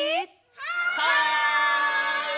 はい！